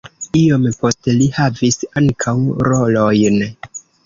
Iom poste li havis ankaŭ rolojn.